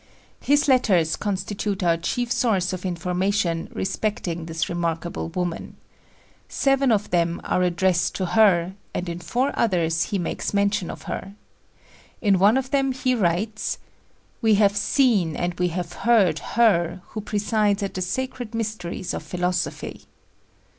His letters constitute our chief source of information respecting this remarkable woman. Seven of them are addressed to her, and in four others he makes mention of her. In one of them he writes: "We have seen and we have heard her who presides at the sacred mysteries of philosophy."